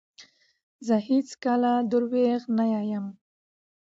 زه هیڅکله درواغ نه وایم.